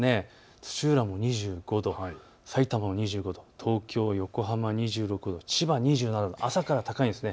土浦も２５度、さいたまも２５度、東京、横浜２６度、千葉２７度、朝から高いです。